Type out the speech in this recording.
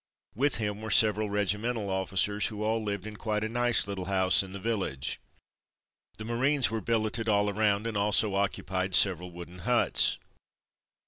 With him were several regimental officers who all lived in quite a nice little house in the village. The Marines were billeted all around, and also occupied several wooden huts.